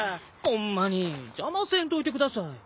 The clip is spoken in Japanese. ホンマに邪魔せんといてください。